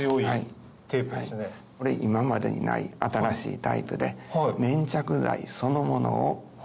これ今までにない新しいタイプで。